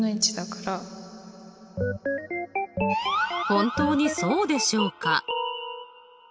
本当にそうでしょうか？